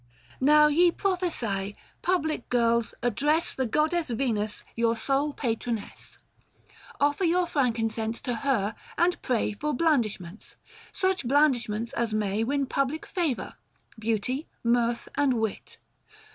Now, ye Professse, public girls, address The goddess Venus, your sole patroness. 1005 Offer your frankincense to her, and pray For blandishments — such blandishments as may Win public favour ; beauty, mirth, and wit.